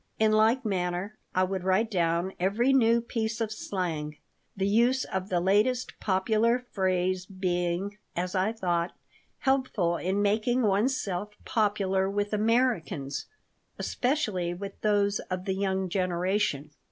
In like manner I would write down every new piece of slang, the use of the latest popular phrase being, as I thought, helpful in making oneself popular with Americans, especially with those of the young generation.